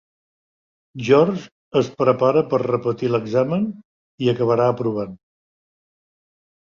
George es prepara per repetir l'examen i acabarà aprovant.